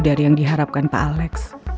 dari yang diharapkan pak alex